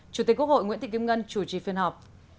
chủ tịch quốc hội nguyễn thị kim ngân chủ trì phiên họp